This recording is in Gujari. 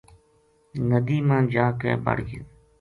ندی ما جا کے بڑ گیو